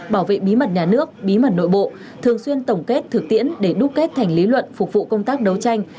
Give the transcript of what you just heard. bảo vệ bí mật nhà nước bí mật nội bộ thường xuyên tổng kết thực tiễn để đúc kết thành lý luận phục vụ công tác đấu tranh